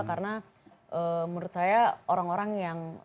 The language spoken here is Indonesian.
karena menurut saya orang orang yang